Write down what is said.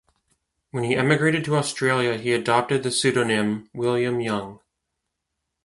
When he emigrated to Australia he adopted the pseudonym William Young.